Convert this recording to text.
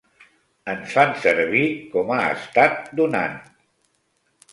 Ens fan servir com a estat donant.